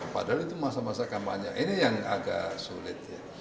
padahal itu masa masa kampanye ini yang agak sulit ya